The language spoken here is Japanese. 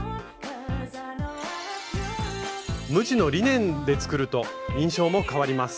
無地のリネンで作ると印象も変わります。